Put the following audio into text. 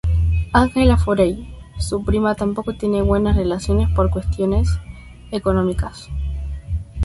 Angela Foley, su prima, tampoco tiene buenas relaciones por cuestiones económicas.